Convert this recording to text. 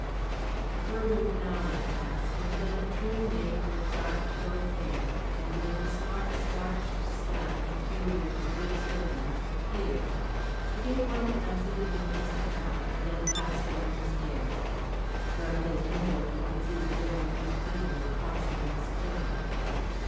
A quarter of an hour passed, and then a trim maid with dark short hair, and in the smart starched style peculiar to good servants, appeared. She gave one glance of indifference at Prout, and then passed down the stairs. From his window he could see the very neat figure crossing the square.